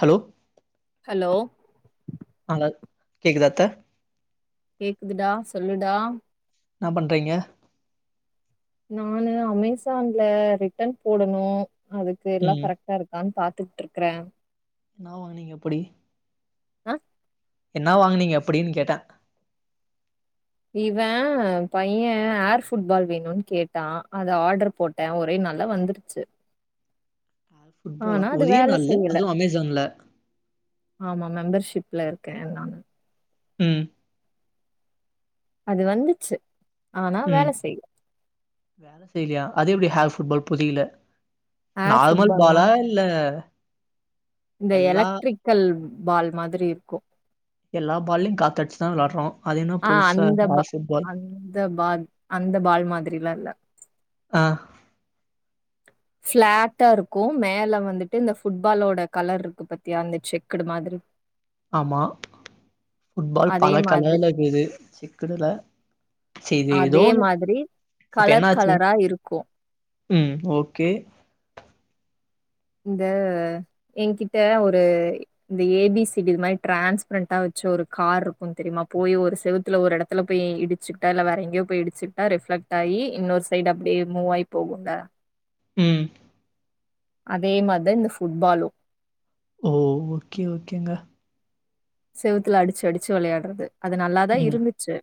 Hello hello அங்க கேக்குதா அத்த கேக்குதுடா சொல்லுடா என்னா பண்றீங்க நானு அமேசான்ல ரிட்டன் போடனும் அதுக்குயெல்லா ம் கரெக்ட்டா இருக்கான்னு பாத் துட்டுருக்கறேன் என்ன வாங்குனீங்க அப்டி ஆஹ் என்ன வாங்கனீங்க அப்படின்னு கேட்டேன் இவன் பையன் ஏர் ஃபுட்பால் வேணும்னு கேட்டான் அத ஆர்டர் போட்டேன் ஒரே நாள்ல வந்துருச்சு ஆஹ் ஃபுட்பாலா ஆனா அது ஒரே வேல நாள்ல செய்யல அதுவும் அமேசான்ல ஆமா மெம்பர்ஷிப்ல இருக்கேன் நான் உம் அது வந்துச்சு ஆனா வேல உம் செய்யல வேல செய்யலையா அது எப்டி ஹேர் ஃபுட்பால் புரியல ஏர் நார்மல் ஃபுட்பால்னா பாலா யில்ல இந்த எலக்ட்ரிக்கல் பால் மாதிரியிருக்கும் எல்லா பால்லயோ காத்து அடிச்சுதா வெளாடுறோ ஆஹ் அந்த பா அந்த பால் அந்த பால் மாதிரில்லாயில்ல ஆஹ் பிளாட்டா இருக்கும் மேல வந்துட்டு இந்த ஃபுட்பாலோட கலருக்கு பாத்தியா இந்த செக்குடு மாதிரி ஆமா ஃபுட்பால் அதே பல மாதிரி கலர்லகுது சிக்குடுல சரி இது ஏதோ அதே ஒன்னு மாதிரி கலர் கலரா இருக்கும் உம் ஓகே இந்த என்கிட்ட ஒரு இந்த ஏ பி சி டி மாதிரி டிரான்ஸ்பரண்டா வெச்ச ஒரு கார் இருக்கோ தெரியுமா போய் ஒரு செவுத்துல ஒரு எடத்துல போய் இடிச்சுக்கிட்டா இல்ல வேற எங்கயோ போய் இடிச்சுக்கிட்டா ரிஃப்ளெக்ட் ஆயி இன்னொரு சைடு அப்டியே மூவ் ஆயி போகும்ல உம் அதே மாதிரிதான் இந்த ஃபுட்பாலும் ஓ ஓகே ஓகேங்க செவுத்துல அடிச்சு அடிச்சு விளையாடுறது அது நல்லாதான் ம் இருந்துச்சு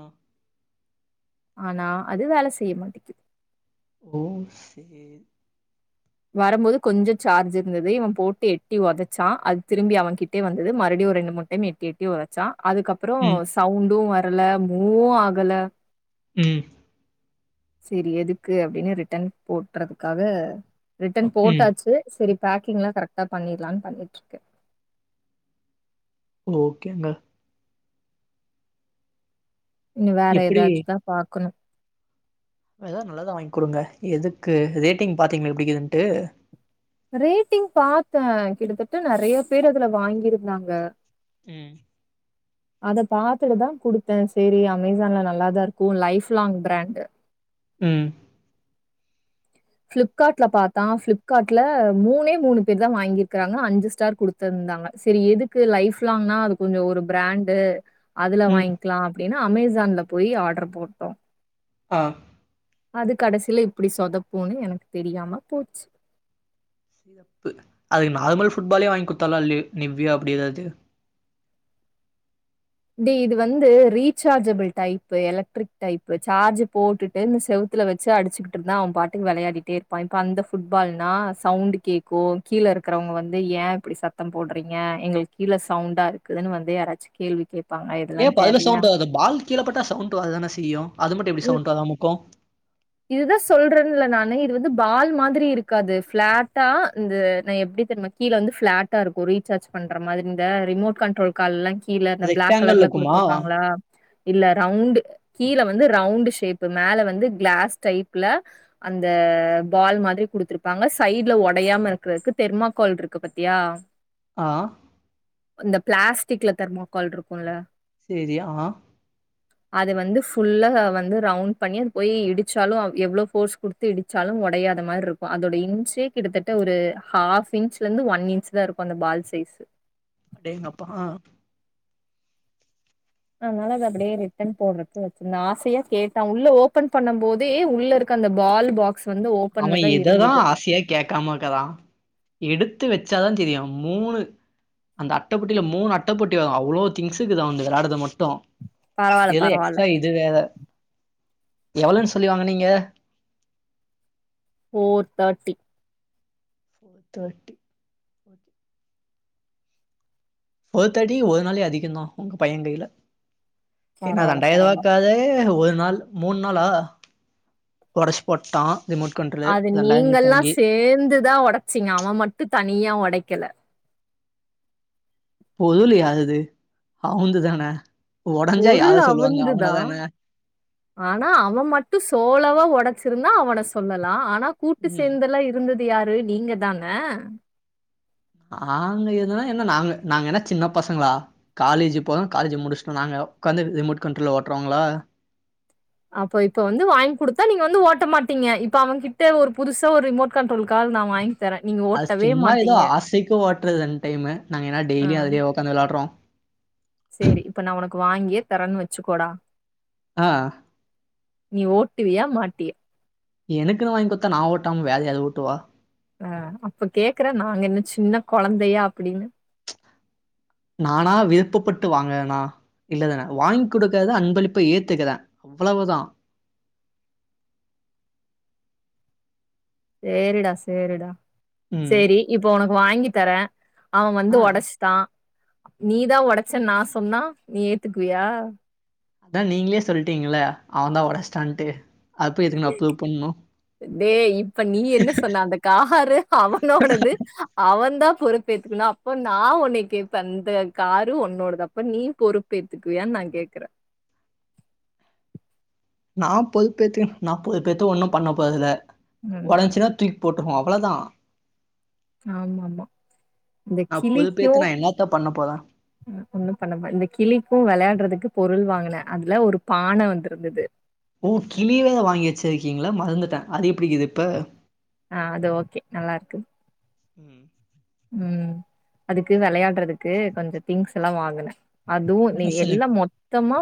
ஆ ஆனா அது வேல செய்ய மாட்டுக்கு ஓ சேரி வரும்போது கொஞ்ச சார்ஜ் இருந்தது இவ போட்டு எட்டி உதச்சா அது திரும்பி அவங்கிட்டியே வந்தது மறுபடியும் ஒரு ரெண்டு மூணு டைம் எட்டி எட்டி உதைச்சான் அதுக்கப்பறோம் ம், சவுண்டு வர்ல கல மூவ் ஆகல ம் சேரி எதுக்கு அப்டின்னு ரிட்டன் போட்டுறதுக்காக ரிட்டன் ம். போட்டாச்சு சரி பேக்கிங்லா கரெக்டா பண்ணிடலான் பண்ணிட்ருக்கே ஓகேங்க இங்க வேற ஏதாச்சு தா பாக்கணும் எதாவுது நல்லாதா வாங்கி குடுங்க எதுக்கு ரேட்டிங் பாத்தீங்ளா எப்டி கீதுன்ட்டு ரேட்டிங் பாத்தே கிட்டத்தட்ட நெறைய பேர் அதுல வாங்கிருந்தாங்க ம் அத பாத்துட்டுதா குடுத்தேன் சரி அமேசான்ல நல்லாதா இருக்கும் லைஃப் லாங் பிராண்டு ம் பிளிப்காட்ல பாத்தா பிளிப்காட்ல மூனே மூணு பேர்தா வாங்கிருக்றாங்க அஞ்சு ஸ்டார் குடுத்துருந்தாங்க சரி எதுக்கு லைஃப் லாங்னா அது கொஞ்ச ஒரு பிராண்டு அதுல ம். வாய்கிங்லா அப்டின்னு அமேசான்ல போயி ஆர்டர் போட்டோம் ஆ அது கடைசில இப்டி சொதப்புன்னு எனக்கு தெரியாம போச்சு சிறப்பு அதுக்கு நார்மல் ஃபுட்பாலே வாங்கி குடுத்துல்லா லி நிவ்யா அப்டி எதாவுது டேய் இது வந்து rechargeable type electric type charge போட்டுட்டு இந்த செவுத்துல வச்சு அடிச்சுகிட்ருந்தா அவன் பாட்டுக்கு வெளையாடிட்டே இருப்பான் இப்ப அந்த ஃபுட்பால்னா சவுண்ட் கேக்கும் கீழ இருக்கறவங்க வந்து ஏ இப்டி சத்தம் போடுறீங்க எங்களுக்கு கீழ சவுண்டா இருக்குதுன்னு வந்து யாராச்சு கேள்வி கேப்பாங்க ஏ இதெல்லா அப்ப அதுல தேவையா சவுண்டு வராதா பால் கீழ பட்டா சவுண்ட் வரதான செய்யும் அது மட்டு எப்டி சவுண்ட் வராம இக்கும் இதுதா சொல்றேன்ல நானு இது வந்து பால் மாதிரி இருக்காது பிளாட்டா இந்த நா எப்டி தெரியுமா கீழ வந்து பிளாட்டா இருக்கும் ரீசார்ஜ் பண்ற மாரி இந்த ரிமோட் கண்ட்ரோல் கால்லா கீழ அந்த பிளாக் ரெக்டாங்கிள்ல கலர்ல இருக்குமா? குடுத்துருப்பாங்களா இல்ல ரவுண்டு கீழ வந்து ரவுண்டு ஷேப்பு மேல வந்து கிளாஸ் டைப்ல அந்த பால் மாதிரி குடுத்துருப்பாங்க சைட்ல ஒடையாம இருக்கிறதுக்கு தெர்மாக்கோல் இருக்கு பாத்தியா ஆ அந்த பிளாஸ்டிக்ல தெர்மாக்கோல் இருக்குல்ல சேரி ஆ அது வந்து ஃபுல்லா வந்து ரவுண்ட் பண்ணி அது போய் இடிச் சாலும் எவ்ளோ போர்ஸ் குடுத்து இடிச்சாலும் ஒடையாத மார்ருக்கு அதோட இன்ச்சே கிட்ட தட்ட ஒரு ஹாஃப் இன்ச்ல இருந்து ஒன் இன்ச்தா இருக்கும் அந்த பால் சைஸ் அடேங்கப்பா ஆ அதுனால அத அப்டியே ரிட்டன் போடுறதுக்கு வச்சிருந்தே ஆசையா கேட்டா உள்ள ஓபன் பண்ணும்போதே உள்ள இருக்க அந்த பால் பாக் அவன் எததா ஆசையா கேக்காமகறான் எடுத்து வச்சாதா தெரியு மூணு அந்த அட்ட பெட்டில மூணு அட்டபெட்டி வரோ அவ்ளோ திங்ஸுகிது அவன்து வெளாடுது மட்டு பரவால்ல இதுல பரவால்ல எக்ஸ்ட்ரா இது வேற எவ்ளோன் சொல்லி வாங்குனீங்க ஃபோர் தேட்டி ஃபோர் தேட்டி ஓகே ஃபோர் தேட்டி ஒரு நாளே அதிகந்தா உங்க பையங்கைல என்ன பரவால்ல பரவால்ல ரெண்டாயரூபாக்காகவே ஒரு நாள் மூண் நாளா ஒடச்சி போட்டா அது நீங்கல்லா சேந்துதா ஒடச்சிங்க அவ மட்டு தனியா ஒட க்கல பொதுலையா அது அவுந்து தானே பொருள் அவுந்துதா ஆனா அவ மட்டு சோளவா ஒடச் இருந்தா அவன சொல்லலா ஆன ஆனா கூட்டு ம் சேந்தலா இருந்துது இது யாரு நீங்க தானே நாங்க இருந்தா என்ன நாங்க நாங்க என்ன சின்ன பசங்களா காலேஜ் போறோ காலேஜ் முடிச்சுட்டோ நாங்க ஒக்காந்து ரிமோட் கண்ட்ரோல் ஓட்றவாங்களா அப்போ இப்ப வந்து வாங்கி கொடுத்தா நீங்க வந்து ஓட்ட மாட்டீங்க இப்ப அவங்க கிட்ட ஒரு புதுசா ஒரு ரிமோட் கண்ட்ரோல் கார் நா வாங்கி தரே நீங்க அது ஓட்டவே சும்மா ஏதோ மாட்டீங்க ஆசக்கி ஓட்றது அந்த டைம் நாங்கன்னா டெய்லியு அதலயா ஒக்காந்து விளாடுறோ சரி இப்ப நா உனக்கு வாங்கியே தரேன் வச்சுக்கோடா ஆ நீ ஓட்டுவியா மாட் த்தி எனக்குன்னு வாங்கி குடுத்தா நா ஓட்டாம வேற யாரு ஓட்டுவா ஆ அப்ப கேக்குற நாங்க என்ன சின்ன கொழந்தையா அப்டின்னு நானா விருப்பப்பட்டு வாங்குரேனா இல்லதானே வாங்கி் கொடுக்கறத அன்பளிப்பு ஏத்துக்குறே அவ்ளவுதா சேரிடா சேரிடா ம். சரி இப்ப உனக்கு வாங்கிட் தரே அவ ஆ வந்து ஒடச்சுட்டா நீதா ஒடச்சன்னு நா சொன்னா நீ ஏத்துக்குவியா அதா நீங்களே சொல்லிட்டீங்கள அவன் தா ஒடச்சான்ட்டு டே இப்ப நீ என்ன சொன்ன அந்த காரு அவனோடது அவன் தா பொறுப்பேத்துக்கணு அப்ப நா உன்ன கேபே அந்த காரு உன்னோட தா அப்ப நீ பொறுப்பேத்துக்குவியானு நா கேக்குறே நா பொதுப்பேத்து நா பொதுப்பேத்து ஒண்ணு பண்ண போறதில்ல ம். ஒடச்சுனா தூக்கி போட்டுருவோ அவ்ளதா ஆமா ஆமா இந்த நான் கிளிக்கு பொறுப்பேத்து நான் என்னத்த பண்ண போறேன்? ஒண்ணு பண்ணமா இந்த கிளிக்கு விளையாடுறதுக்கு பொருள் வாங்க அதுல ஒரு பான வந்திருந்தது ஓ கிளி வேற வாங்கி வச்சிருக்கீங்களா மருந்துட்டே அது எப்டிக்குது இப்ப ஆஹ அது ஓகே நல்லா இருக்கு உம் உம் அதுக்கு விளையாடுறதுக்கு கொஞ்சம் திங்ஸ் எல்லா வாங்கினேன் அதுவும் மனுஷனுக் எல்லா மொத்தமா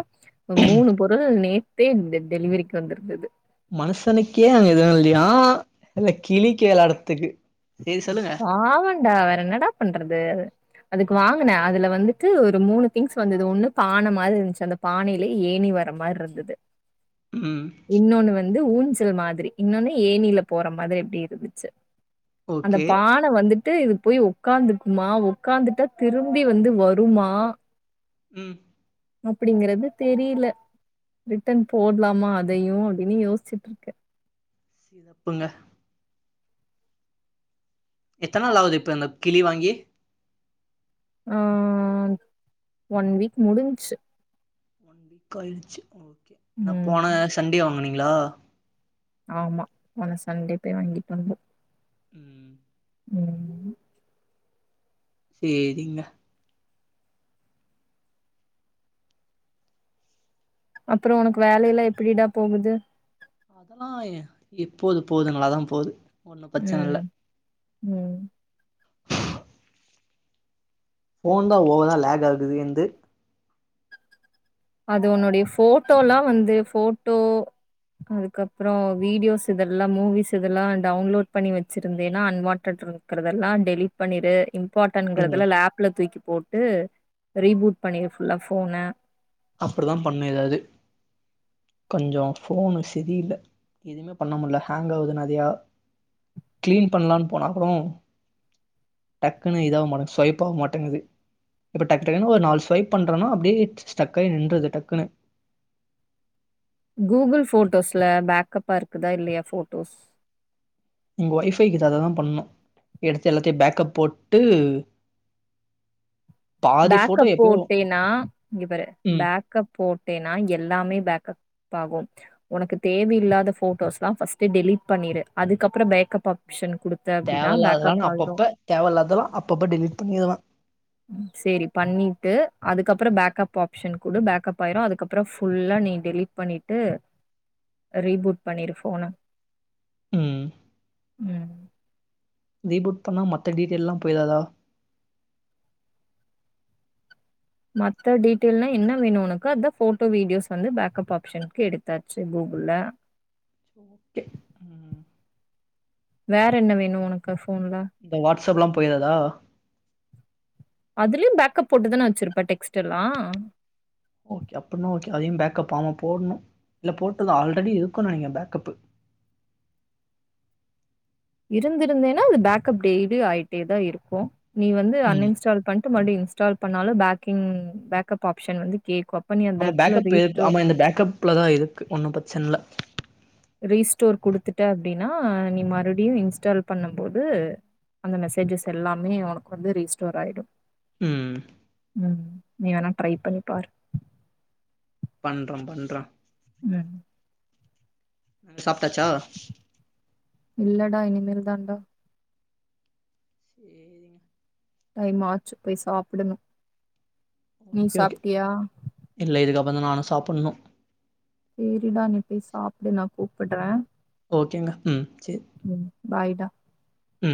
மூணு பொருள் நெ டே டெலிவரிக்கு வந்துருந்தது மனுஷனுக்கே அன் ஹெல்த்தியாம் இதுல கிளிக்கு வெளயாடறத்துக்கு பாவண்டா வேற என்னடா பண்றது அதுக்கு ம். வாங்குனேன் அதுல வந்து ஒரு மூணு திங்ஸ் வந்தது ஒண்ணு பானை மாதிரி இருந்துச்சு அந்த பானையில ஏனி வர மாதிரி இருந்தது உஹம் இன்னொன்னு வந்து ஊஞ்சல் மாதிரி இன்னொன்னே ஏனியில போற மாதிரி எப்படி இருந்துச்சு அந்த ஓகே பானை வந்துட்டு ட்டு இது போய் உகாந்துக்குமா ஒக்காந்துட்டா திரும்பி வந்து வருமா உம் அப்படிங்கறது தெரியல ரிட்டன் போடலாமா அதையும் அப்படின்னு யோசிச்சுட்டு இருக்கேன் தப்புங்க எத்தனை நாள் ஆகுது இப்ப இந்த கிளி வாங்கி ஆஹ ஒன் வீக் முடிஞ்சச்சு ஒன் வீக் ஆகிடுச்சா ம். போன சண்டே வாங்கினேன் நல்லா இருக்கீங்களா ஆமா நான சண்டே போய் வாங்கிட்டு வந்தோம் உம் உம் செரிங்க அப்புறம் உனக்கு வேலைைய எல்லாம் எப்படிடா போகுது எப்போது போலதான் நல்லாத்தான் போகுது உம் உம் போன் தான் ஓவரா லாக் ஆகுது என்து அது உன்னுடைய போட்டோல்லாம் வந்து போட்டோ அதுக்கப்புறம் வீடியோஸ் இதெல்லாம் மூவிஸ் இதெல்லாம் டவுன்லோட் பண்ணி வச்சிருந்தேன்னா அன்வான்ட் இருக்கறதெல்லாம் டெலிட் பண்ணிரு போட்டோக்களை ம் எல்லாம் லேப்ல தூக்கி போட்டு ரீபூட் பண்ணி ஃபுல்லா போன அப்படிதான் பண்ண ஏதாாவது கொஞ்சம் போஃபனு சரியில்ல்ல எதுவுமே பண்ண முடியல ஹேங்க் ஆகுது நிறையா கிளீன் பண்ணலாம்னு போனா கூடம் டக்குன்னு இதாக மாட்டேங்க ஸ்வைப் ஆக மாட்டேங்குது இப்ப டக்கு டக்குன்ன ஒரு நாலு ஸ்வைப் பண்றேனா அப்படியே டக்குனு நின்றது டக்குனு கூகுள் போட்டோஸ்ல பேக்கப்பா இருக்குதா இல்லையா போட்டோஸ் உங்க ஒய்ஃபைக்குத்ததான் பண்ணும் எடுத்து எல்லாத்தையும் பேக்கப் போட்டு பாதி ஃபோட்டோ பேக்கப் எப்பயோ போட்டேன்னா இவர்ரு ம். பேக்கப் போட்டேன்னா எல்லாமே பேக்கப் ஆகும் உனக்கு தேவையில்லாத போட்டோஸ்ல்லாம்ஸ் டெலிடட் பண்ணிடு அதுக்கப்புறம் பேக்கப் ஆப்ஷன் குடுத்த தேவ அப்படின்னா இல்லாததல்லாங் பேக்கப் ஆயிரும். அப்பப்ப தேவ இல்லாததெல்லா அப்பப்ப டெலிட் பண்ணிரலா ம் சேரி பண்ணிட்டு அதுக்கப்புற பேக்கப் ஆப்ஷன் குடு பேக்கப் ஆயிரு அதுக்கப்புறோ ஃபுல்லா நீ டெலீட் பண்ணிட்டு ரீபூட் பண்ணிரு ஃபோன ம். ம் ரீபூட் பண்ணா மத்த டீட்டைல்லா போய்ராதா? மத்த டீட்டைல்னா என்ன வேணு உனக்கு அதா ஃபோட்டோ வீடியோஸ் வந்து பேக்கப் ஆப்ஷன்க்கு எடுத்தாச்சு கூகுள்ல கெ வேற என்ன வேணு உனக்கு ஃபோன்ல அத்த எங்க வாட்ஸ்அப்லாம் போயிறாதா? அதுலயு பேக்கப் போட்டுதான வச்சிருப்பே டெக்ஸ்ட்டெல்லா ஓகே அப்பிடின்னா ஓகே அதையு பேக்கப் ஆமா போடணு இல்ல போட்டது ஆல்ரெடி இருக்குன்னு நெனைக்கிற பேக்கப்பு இருந்திருந்ததுன்னா அது பேக்கப் டெய்லியு ஆயிட்டேதா இருக்கு நீ வந்து ம். அன்இன்ஸ்டால் பண் ணிட்டு மறுபடி இன்ஸ்டால் பண்ணாலு பேக்கிங் பேக்கப் ஆப்ஷன் வந்து கேக்கு அப்ப நீ அந்த ஆமா எடத்துல பேக்கப் இருக்கு ரீஸ்டோர் ஆமா என்து பேக்கப்லதா இருக்கு ஒன்னும் பிரச்சன இல்ல ரீஸ்டோர் குடுத்துட்ட அப்டின்னா நீ மறுபடியு இன்ஸ்டால் பண்ணும் போது அந்த மெசேஜஸ் எல்லாமே உனக்கு வந்து ரீஸ்டோர் ஆயிடு ம் ம் நீ வேண்ணா ட்ரை பண்ணிப்பாரு பண்றோ பண்றோ ம் அங்க சாப்ட்டாச்சா இல்லடா இனிமேல்தான்டா சேரிங்க டைம் ஆச்சு போய் சாப்பிடணு நீ சாப்ட்டியா? பறந்தா நானு சாப்பட்ணு சேரிடா நீ போய் சாப்டு நா கூப் ப்பட்றே ஓகேங்க ம் சேர் பாய்டா ம்